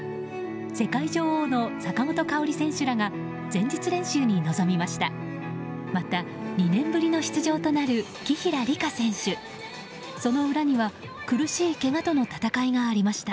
世界女王の坂本花織選手らが前日練習に臨みました。